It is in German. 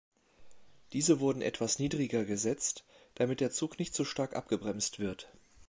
Diese wurden etwas niedriger gesetzt, damit der Zug nicht so stark abgebremst wird.